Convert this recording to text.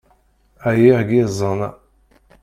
Ɛyiɣ seg yiẓẓan-a!